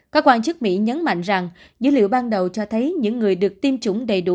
các quan chức mỹ nhấn mạnh rằng dữ liệu ban đầu cho thấy những người được tiêm chủng đầy đủ